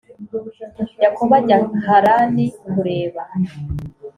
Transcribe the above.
yakobo ajya harani kureba